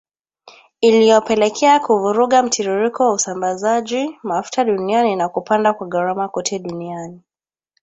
iliyopelekea kuvuruga mtiririko wa usambazaji mafuta duniani na kupanda kwa gharama kote duniani